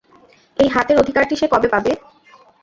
এই হাতের অধিকারটি সে কবে পাবে?